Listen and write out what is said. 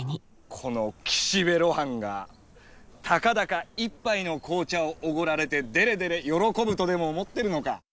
この岸辺露伴がたかだか一杯の紅茶を奢られてデレデレ喜ぶとでも思ってるのかッ